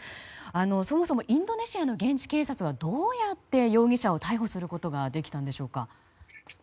そもそもインドネシアの現地警察はどうやって容疑者を逮捕することができたのでしょうか。